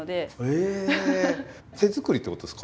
手作りってことですか？